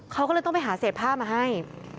เขาก็เลยต้องไปหาเศษผ้ามาให้